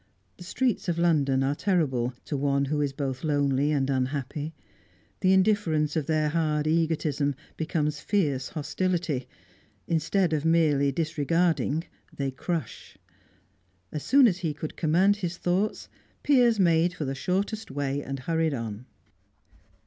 The streets of London are terrible to one who is both lonely and unhappy; the indifference of their hard egotism becomes fierce hostility; instead of merely disregarding, they crush. As soon as he could command his thoughts, Piers made for the shortest way, and hurried on.